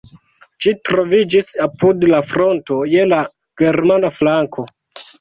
Ĝi troviĝis apud la fronto, je la germana flanko.